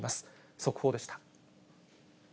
速報でした。